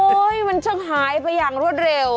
มันช่างหายไปอย่างรวดเร็ว